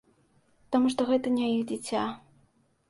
Таму што гэта не іх дзіця.